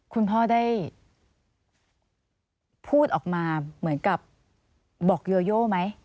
คุณพ่อได้พูดออกมาเหมือนกับบอกโยโย่ไหม